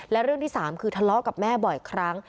และเรื่องที่๓คือทะเลาะกับแม่บ่อยครั้ง